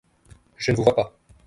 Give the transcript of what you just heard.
Je ne vous vois pas.